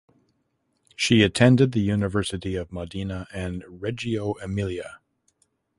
She attended the University of Modena and Reggio Emilia.